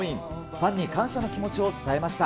ファンに感謝の気持ちを伝えました。